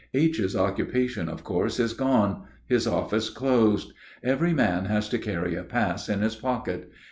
H.'s occupation, of course, is gone; his office closed. Every man has to carry a pass in his pocket.